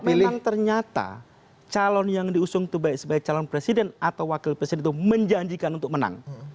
memang ternyata calon yang diusung itu baik sebagai calon presiden atau wakil presiden itu menjanjikan untuk menang